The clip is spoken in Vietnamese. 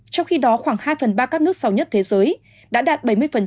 trong khi đó khoảng hai phần ba các nước sau nhất thế giới đã đạt bảy mươi